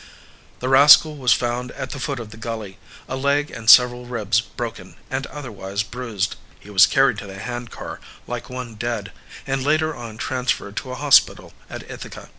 The rascal was found at the foot of the gully, a leg and several ribs broken and otherwise bruised. He was carried to the hand car like one dead, and later on transferred to a hospital at Ithaca.